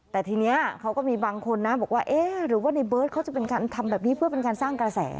แต่ทีนี้เขาก็มีบางคนนะบอกว่าเอ๊ะหรือว่าในเบิร์ตเขาจะเป็นการทำแบบนี้เพื่อเป็นการสร้างกระแส